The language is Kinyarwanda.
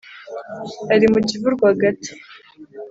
ari mu kivu rwagati)